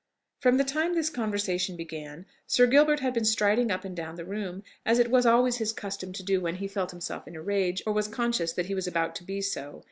From the time this conversation began, Sir Gilbert had been striding up and down the room, as it was always his custom to do when he felt himself in a rage, or was conscious that he was about to be so.